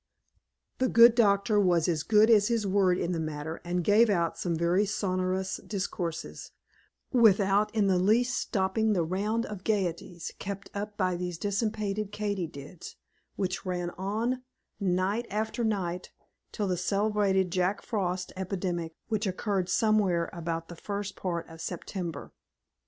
The good Doctor was as good as his word in the matter, and gave out some very sonorous discourses, without in the least stopping the round of gayeties kept up by these dissipated Katy dids, which ran on, night after night, till the celebrated Jack Frost epidemic, which occurred somewhere about the first of September.